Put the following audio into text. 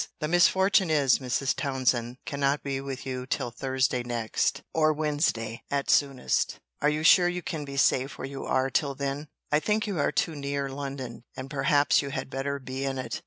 The misfortune is, Mrs. Townsend cannot be with you till Thursday next, or Wednesday, at soonest: Are you sure you can be safe where you are till then? I think you are too near London; and perhaps you had better be in it.